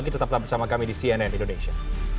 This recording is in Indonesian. tetap bersama kami di cnn indonesia